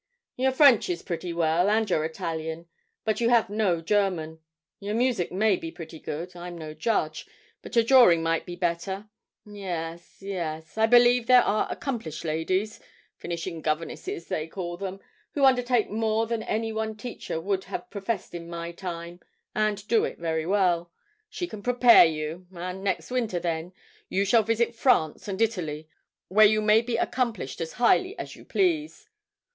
'Your French is pretty well, and your Italian; but you have no German. Your music may be pretty good I'm no judge but your drawing might be better yes yes. I believe there are accomplished ladies finishing governesses, they call them who undertake more than any one teacher would have professed in my time, and do very well. She can prepare you, and next winter, then, you shall visit France and Italy, where you may be accomplished as highly as you please.'